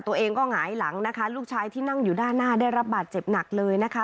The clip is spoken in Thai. ตัวเองก็หงายหลังนะคะลูกชายที่นั่งอยู่ด้านหน้าได้รับบาดเจ็บหนักเลยนะคะ